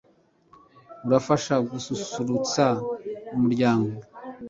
urafasha gususurutsa umuryango